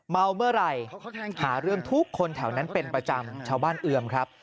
เมาเมื่อไหร่หาเรื่องทุกคนแถวนั้นเป็นประจำชาวบ้านเอือมครับ